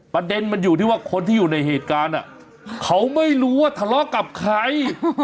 ประเด็นมันอยู่ที่ว่าคนที่อยู่ในเหตุการณ์เขาไม่รู้ว่าทะเลาะกับใคร